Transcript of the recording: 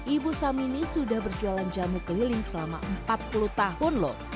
ibu samini sudah berjualan jamu keliling selama empat puluh tahun loh